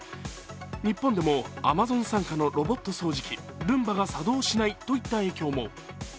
日本でもアマゾン傘下のロボット掃除機、ルンバが作動しないといった影響も。